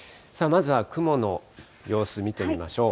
まずは雲の様子、見てみましょう。